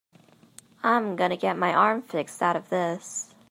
I'm gonna get my arm fixed out of this.